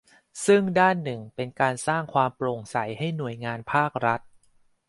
ซึ่งด้านหนึ่งเป็นการสร้างความโปร่งใสให้หน่วยงานภาครัฐ